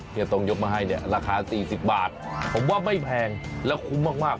เฮียตรงยกมาให้เนี่ยราคาสี่สิบบาทผมว่าไม่แพงแล้วคุ้มมาก